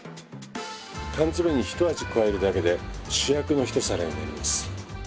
缶詰にひと味加えるだけで主役のひと皿になります。